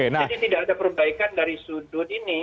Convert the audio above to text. jadi tidak ada perbaikan dari sudut ini